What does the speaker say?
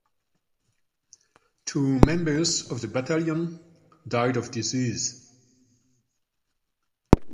Two members of the battalion died of disease.